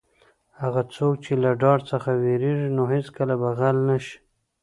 هغه څوک چې له دار څخه وېرېږي نو هېڅکله به غل نه شي.